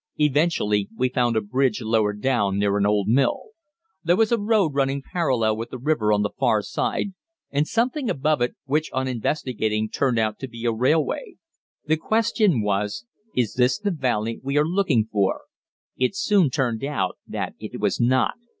Eventually we found a bridge lower down near an old mill. There was a road running parallel with the river on the far side, and something above it which on investigating turned out to be a railway. The question was, "Is this the valley we are looking for?" It soon turned out that it was not.